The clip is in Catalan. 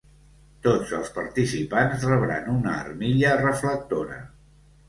Tots els participants rebran una armilla reflectora.